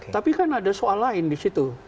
tapi kan ada soal lain disitu